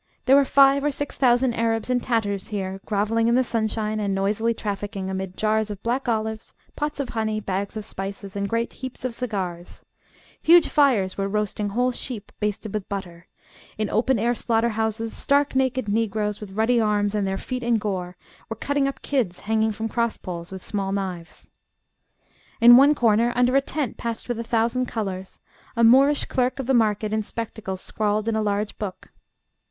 There were five or six thousand Arabs in tatters here, grovelling in the sunshine and noisily trafficking, amid jars of black olives, pots of honey, bags of spices; and great heaps of cigars; huge fires were roasting whole sheep, basted with butter; in open air slaughter houses stark naked Negroes, with ruddy arms and their feet in gore, were cutting up kids hanging from crosspoles, with small knives. In one corner, under a tent patched with a thousand colours, a Moorish clerk of the market in spectacles scrawled in a large book.